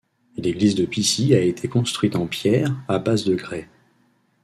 L’église de Pissy a été construite en pierre à base de grès.